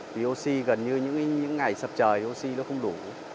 thì oxy gần như những ngày sập trời oxy nó không đủ